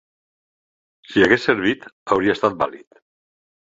Si hagués servit, hauria estat vàlid.